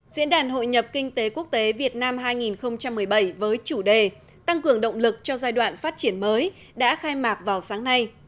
diễn đàn hội nhập kinh tế quốc tế việt nam hai nghìn một mươi bảy với chủ đề tăng cường động lực cho giai đoạn phát triển mới đã khai mạc vào sáng nay